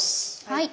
はい。